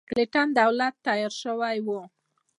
کلنټن دولت دې ته تیار شوی و.